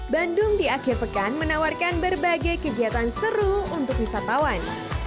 bandung di akhir pekan menawarkan berbagai kegiatan seru untuk wisatawan